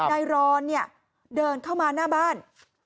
นายรอนเดินเข้ามาหน้าบ้าน